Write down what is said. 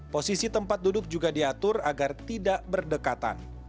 posisi tempat duduk juga diatur agar tidak berdekatan